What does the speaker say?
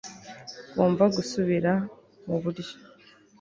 ngomba gusubira muburyo